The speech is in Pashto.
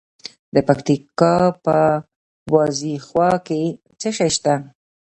د پکتیکا په وازیخوا کې څه شی شته؟